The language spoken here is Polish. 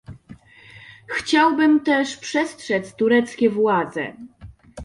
Chciałbym też przestrzec tureckie władze